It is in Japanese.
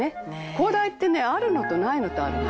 「高台ってねあるのとないのとあるの」